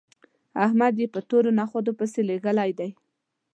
احمد يې په تورو نخودو پسې لېږلی دی